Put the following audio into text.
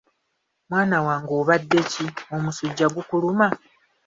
Mwana wange obadde ki? Omusujja gukuluma?